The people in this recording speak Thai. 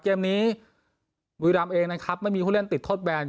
เกมนี้วีรัมเองนะครับไม่มีผู้เล่นติดโทษแบรนด์